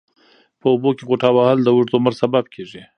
په اوبو کې غوټه وهل د اوږد عمر سبب کېږي.